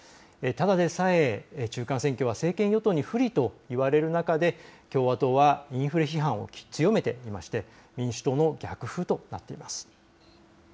ただでさえ中間選挙は政権与党に不利といわれる中で、共和党はインフレ批判を強めていまして民主党の逆風となっています。